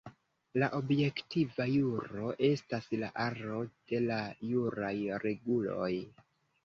La objektiva juro estas la aro de la juraj reguloj.